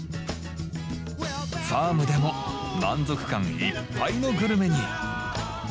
ファームでも満足感いっぱいのグルメに。